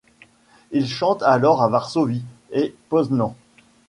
Il chante alors à Varsovie et Poznań.